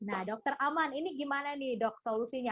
nah dokter aman ini gimana nih dok solusinya